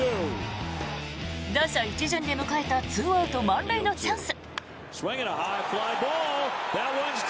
打者一巡で迎えた２アウト満塁のチャンス。